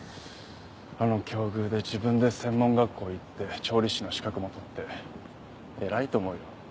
あの境遇で自分で専門学校行って調理師の資格も取って偉いと思うよ。